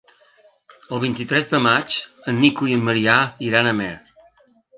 El vint-i-tres de maig en Nico i en Maria iran a Amer.